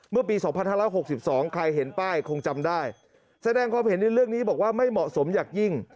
เมื่อปี๒๕๖๒ใครเห็นป้ายคงจำได้แสดงความเห็นในเรื่องนี้บอกว่าไม่เหมาะสมอย่างยิ่ง